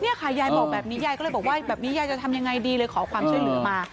นี่ค่ะยายบอกแบบนี้ยายก็เลยบอกว่าแบบนี้ยายจะทำยังไงดีเลยขอความช่วยเหลือมา